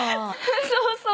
そうそう。